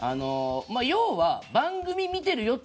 要は番組見てるよって